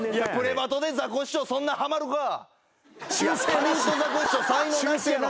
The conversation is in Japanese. ハリウッドザコシショウ才能なしやろ。